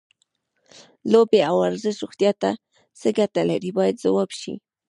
لوبې او ورزش روغتیا ته څه ګټې لري باید ځواب شي.